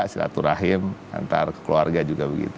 silaturahim antar keluarga juga begitu